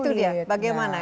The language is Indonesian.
itu dia bagaimana